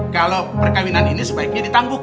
kalau perkahwinan ini sudah ternyata berakhir